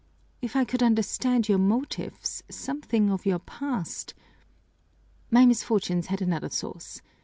If I could understand your motives, something of your past " "My misfortunes had another source.